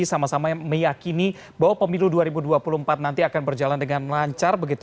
sama sama meyakini bahwa pemilu dua ribu dua puluh empat nanti akan berjalan dengan lancar begitu